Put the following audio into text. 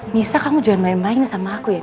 nisa kamu jangan main main sama aku ya nisa